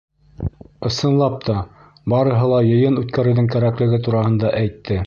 Ысынлап та, барыһы ла йыйын үткәреүҙең кәрәклеге тураһында әйтте.